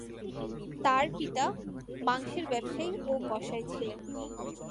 তার পিতা মাংসের ব্যবসায়ী ও কসাই ছিলেন।